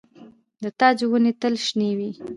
د ناجو ونې تل شنې وي؟